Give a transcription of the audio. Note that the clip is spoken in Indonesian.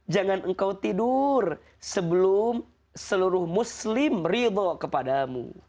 jangan engkau tidur sebelum seluruh muslim ridho kepadamu